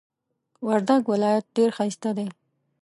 وردک ولایت ډیر ښایسته دی.